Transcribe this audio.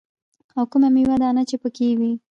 او کومه ميوه دانه چې پکښې وي.